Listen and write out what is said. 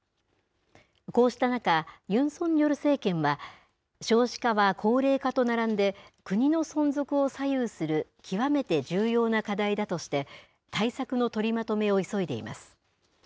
こうした中、ユン・ソンニョル政権は、少子化は高齢化と並んで、国の存続を左右する極めて重要な課題だとして、対策の取りまとめを急いでいます。